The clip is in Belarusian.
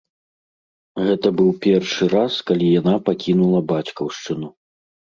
Гэта быў першы раз, калі яна пакінула бацькаўшчыну.